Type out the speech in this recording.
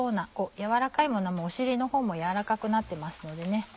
軟らかいものはお尻のほうも軟らかくなってますので。